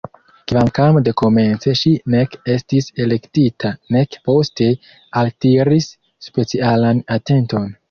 Kvankam dekomence ŝi nek estis elektita nek poste altiris specialan atenton.